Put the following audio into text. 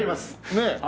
ねえ。